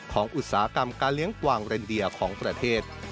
อุตสาหกรรมการเลี้ยงกวางเรนเดียของประเทศ